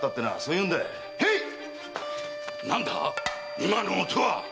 今の音は！